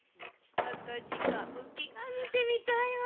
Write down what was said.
私歌舞伎が見てみたいわ。